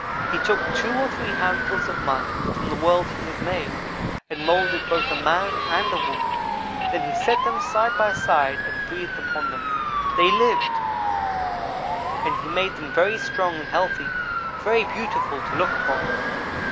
He took two or three handfuls of mud from the world he had made, and moulded both a man and a woman. Then he set them side by side and breathed upon them. They lived! and he made them very strong and healthy very beautiful to look upon.